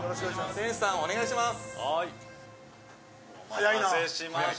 店主さん、お願いします。